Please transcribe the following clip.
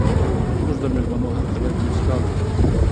موږ د مېلمنو هرکلی په مسکا وکړ.